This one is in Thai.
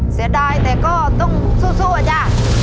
เสียดายแต่ก็ต้องสู้อะจ้ะ